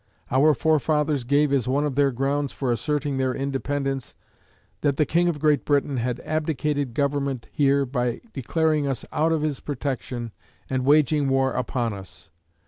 Our forefathers gave as one of their grounds for asserting their independence that the King of Great Britain had "abdicated government here by declaring us out of his protection and waging war upon us."